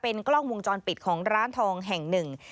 มีกล้องมวงจรปิดอากาศของร้านทองเแห่ง๑